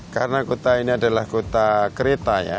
karena kota ini adalah kota kereta ya